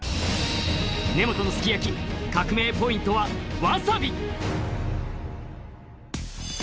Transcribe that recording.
根本のすき焼き革命ポイントはワサビ